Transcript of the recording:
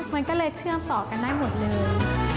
มันก็เลยเชื่อมต่อกันได้หมดเลย